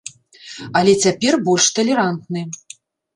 Але цяпер больш талерантны.